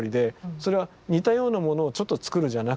それは似たようなものをちょっと作るじゃなくて。